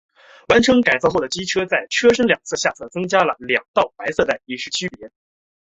完成改造后的机车在车身两侧下部增加了两道白色带以示区别。